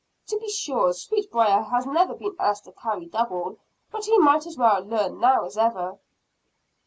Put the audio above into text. "To be sure, Sweetbriar has never been asked to carry double; but he might as well learn now as ever."